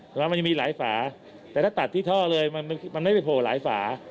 แต่ว่ามันยังมีหลายฝาแต่ถ้าตัดที่ท่อเลยมันไม่ไปโผล่หลายฝา